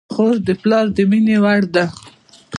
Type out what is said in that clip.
خور د پلار د مینې وړ ده.